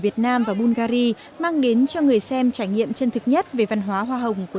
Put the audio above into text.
việt nam và bungary mang đến cho người xem trải nghiệm chân thực nhất về văn hóa hoa hồng của